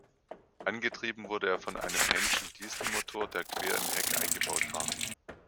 Angetrieben wurde er von einem Henschel-Dieselmotor, der quer im Heck eingebaut war.